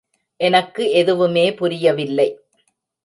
எனக்கு எதுவுமே புரியவில்லை.